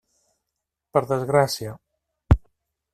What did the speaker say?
Per desgràcia.